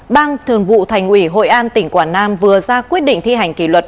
ban thường vụ thành ủy hội an tỉnh quảng nam vừa ra quyết định thi hành kỷ luật